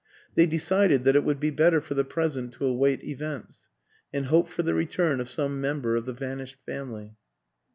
They decided that it would be better for the present to await events, and hope for the return of some member of the vanished family.